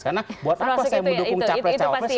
karena buat apa saya mendukung capres cawapres